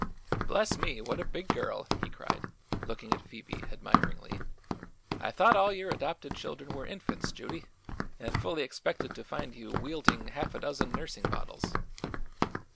"Bless me, what a big girl!" he cried, looking at Phoebe admiringly. "I thought all your adopted children were infants, Judy, and fully expected to find you wielding half a dozen nursing bottles."